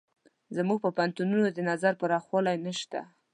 زموږ په پوهنتونونو د نظر پراخوالی نشته.